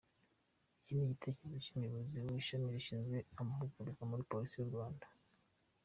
Iki ni igitekerezo cy’umuyobozi w’ishami rishinzwe amahugurwa muri Polisi y’u Rwanda